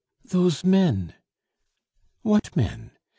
"Those men." "What men?